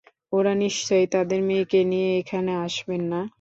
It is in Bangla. ওঁরা নিশ্চয়ই তাঁদের মেয়েকে নিয়ে এখানে আসবেন না।